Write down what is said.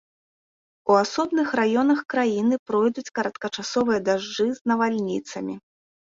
У асобных раёнах краіны пройдуць кароткачасовыя дажджы з навальніцамі.